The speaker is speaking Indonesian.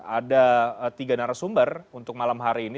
ada tiga narasumber untuk malam hari ini